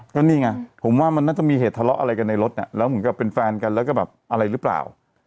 ก็นี่ไงผมว่ามันน่าจะมีเหตุทะเลาะอะไรกันในรถแล้วเหมือนกับเป็นแฟนกันแล้วก็แบบอะไรหรือเปล่า